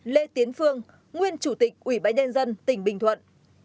một lê tiến phương nguyên chủ tịch ủy bãi nhen dân tỉnh bình thuận